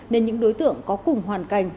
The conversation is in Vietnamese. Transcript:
nên những đối tượng có cùng hoàn cảnh